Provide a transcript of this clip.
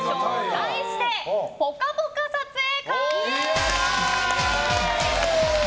題して、ぽかぽか撮影会！